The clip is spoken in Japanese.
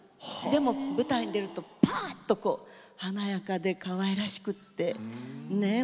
でも舞台に出るとパアッと華やかでかわいらしくってねえ